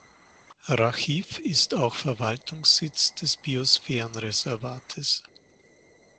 Rachiw ist auch Verwaltungssitz des Biosphärenreservates.